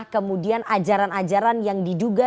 kemudian ajaran ajaran yang diduga